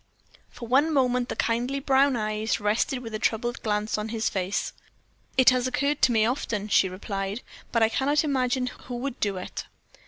For one moment the kindly brown eyes rested with a troubled glance on his face. "It has occurred to me often," she replied, "but I cannot imagine who would do it."